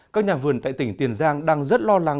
các nhà vườn tại tỉnh tiền giang đang rất lo lắng